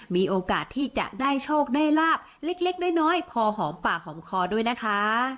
มีโอกาสที่จะได้โชคได้ลาบเล็กน้อยพอหอมปากหอมคอด้วยนะคะ